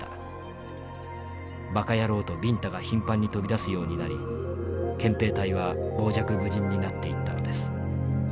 バカヤローとビンタが頻繁に飛び出すようになり憲兵隊は傍若無人になっていったのです。